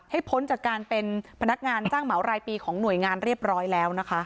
พ้นจากการเป็นพนักงานจ้างเหมารายปีของหน่วยงานเรียบร้อยแล้วนะคะ